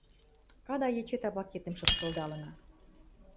Кадай эче табакетӹм шыпшылдалына...